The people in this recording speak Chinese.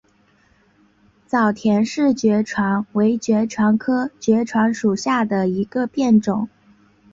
早田氏爵床为爵床科爵床属下的一个变种。